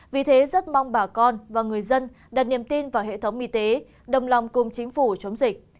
vì thế rất mong bà con và người dân đặt niềm tin vào hệ thống y tế đồng lòng cùng chính phủ chống dịch